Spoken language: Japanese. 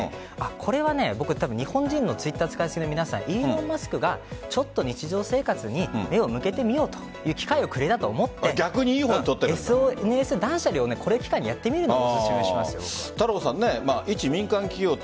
これは僕、日本人のＴｗｉｔｔｅｒ使いすぎの皆さんイーロン・マスクがちょっと日常生活に目を向けてみようという機会をくれたと思ってＳＮＳ断捨離をこれを機会にやってみるのをおすすめします。